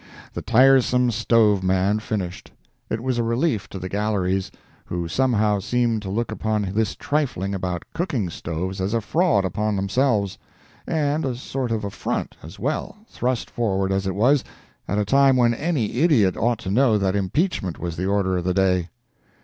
The tiresome stove man finished. It was a relief to the galleries, who somehow seemed to look upon this trifling about cooking stoves as a fraud upon themselves, and a sort of affront, as well, thrust forward, as it was, at a time when any idiot ought to know that impeachment was the order of the day!